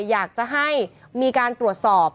อยากจะให้มีการตรวจสอบ